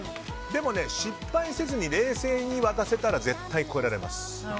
でも、失敗せずに冷静に渡せば絶対に超えられます。